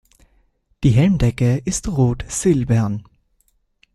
Die Helmdecke ist rot-silbern.